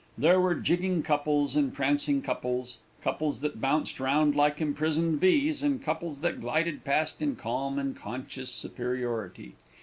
There were jigging couples and prancing couples; couples that bounced round like imprisoned bees, and couples that glided past in calm and conscious superiority.